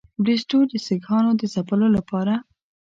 بریسټو د سیکهانو د ځپلو لپاره.